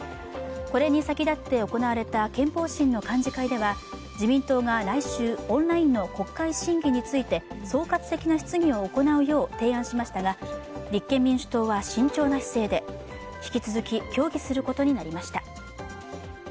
これに先立って行われた憲法審の幹事会では自民党が来週オンラインの国会審議について総括的な質疑を行うよう提案しましたが立憲民主党は慎重な姿勢で、引き続き協議することになりました。